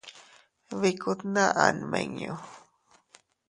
Bikku tnaʼa nmiñu.